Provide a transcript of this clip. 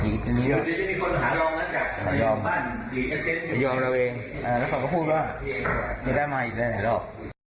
ได้นี่ผมเดินสบาย